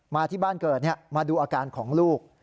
มาที่บ้านเกิดเนี่ยมาดูอาการของลูก